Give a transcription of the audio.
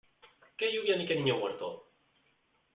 ¡Qué lluvia ni qué niño muerto!